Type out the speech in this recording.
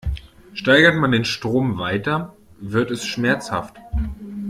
Steigert man den Strom weiter, wird es schmerzhaft.